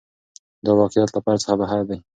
دا واقعیت له فرد څخه بهر دی.